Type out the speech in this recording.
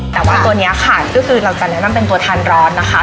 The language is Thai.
แต่ว่าตัวนี้ค่ะก็คือเราจะแนะนำเป็นตัวทานร้อนนะคะ